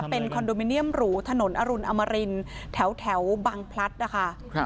เป็นคอนโดมิเนียมหรูถนนอรุณอมรินแถวบังพลัดนะคะ